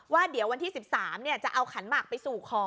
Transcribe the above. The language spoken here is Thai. ว่าเดี๋ยววันที่๑๓จะเอาขันหมักไปสู่ขอ